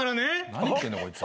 何言ってんだこいつ。